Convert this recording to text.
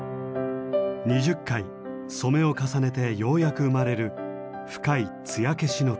２０回染めを重ねてようやく生まれる深い艶消しの黒。